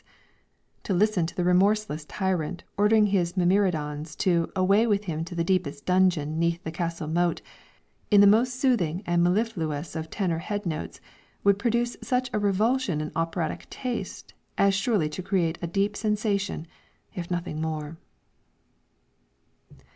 's; to listen to the remorseless tyrant ordering his myrmidons to "away with him to the deepest dungeon 'neath the castle moat," in the most soothing and mellifluous of tenor head notes, would produce such a revulsion in operatic taste, as surely to create a deep sensation, if nothing more.